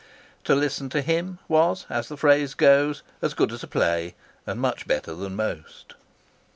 To listen to him was, as the phrase goes, as good as a play; and much better than most.